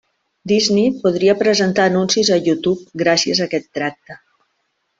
Disney podria presentar anuncis a YouTube gràcies a aquest tracte.